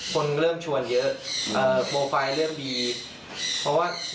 คนเริ่มชวนเยอะโปรไฟล์เลือกดี